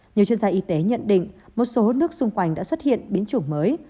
nhiều chuyên gia y tế nhận định một số nước xung quanh đã xuất hiện biến chủng mới